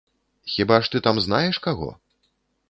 Хіба ж ты там знаеш каго?